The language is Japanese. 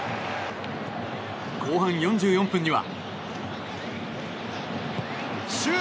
後半４４分には。